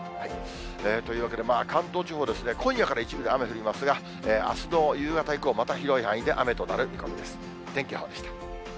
というわけで、関東地方ですね、今夜から一部で雨が降りますが、あすの夕方以降、また広い範囲で雨となる見込みです。